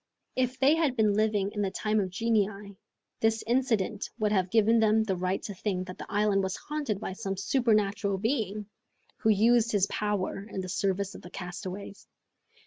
If they had been living in the time of genii, this incident would have given them the right to think that the island was haunted by some supernatural being, who used his power in the service of the castaways!